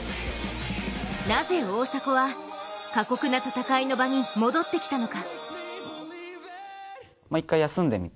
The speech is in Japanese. なぜ大迫は過酷な戦いの場に戻ってきたのか。